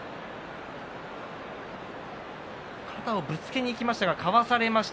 肩をぶつけにいきましたがかわされました。